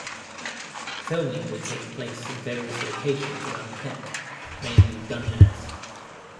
Filming would take place in various locations around Kent, mainly Dungeness.